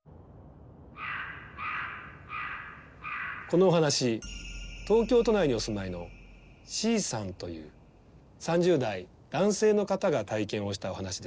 このお話東京都内にお住まいのＣさんという３０代男性の方が体験をしたお話です。